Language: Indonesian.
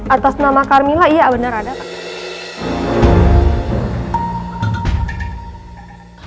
atas nama carmilla iya bener ada kak